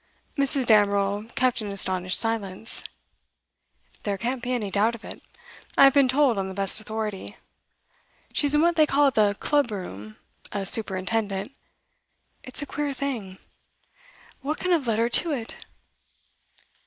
Mrs. Damerel kept an astonished silence. 'There can't be any doubt of it; I have been told on the best authority. She is in what they call the "club room," a superintendent. It's a queer thing; what can have led her to it?